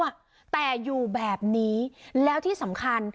มีชีวิตอยู่แบบนี้และที่สำคัญ